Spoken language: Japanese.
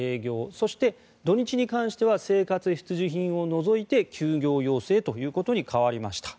そして、土日に関しては生活必需品を除いて休業要請ということに変わりました。